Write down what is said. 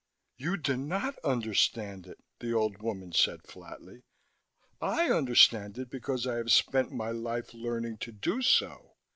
"You do not understand it," the old woman said flatly. "I understand it because I have spent my life learning to do so.